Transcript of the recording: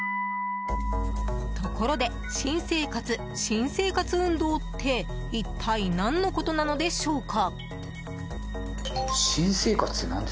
ところで新生活・新生活運動って一体、何のことなのでしょうか？